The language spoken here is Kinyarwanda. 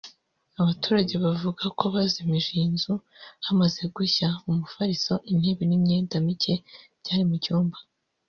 Abaturage bavuga ko bazimije iyi nzu hamaze gushya umufariso (matelas) intebe n’imyenda mike byari mu cyumba